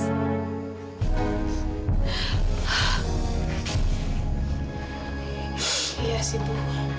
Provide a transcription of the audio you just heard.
iya sih bu